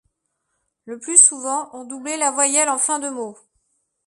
Le plus souvent, on doublait la voyelle en fin de mot.